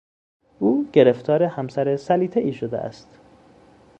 او گرفتار همسر سلیطهای شده است.